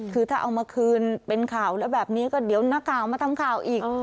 คือถ้าเอามาคืนเป็นข่าวแล้วแบบนี้ก็เดี๋ยวนักข่าวมาทำข่าวอีก